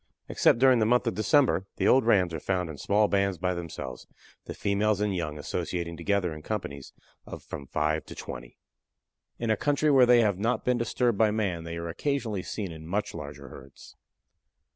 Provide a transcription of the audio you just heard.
Except during the month of December the old rams are found in small bands by themselves, the females and young associating together in companies of from five to twenty. In a country where they have not been disturbed by man they are occasionally seen in much larger herds.